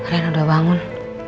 rena udah bangun